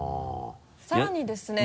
さらにですね